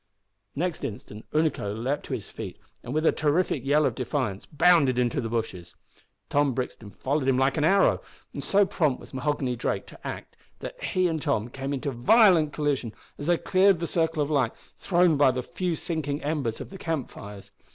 Next instant Unaco leaped to his feet and, with a terrific yell of defiance, bounded into the bushes. Tom Brixton followed him like an arrow, and so prompt was Mahoghany Drake to act that he and Tom came into violent collision as they cleared the circle of light thrown by the few sinking embers of the camp fires.